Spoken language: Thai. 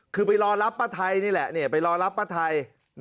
คือไปรองรับป้าไทย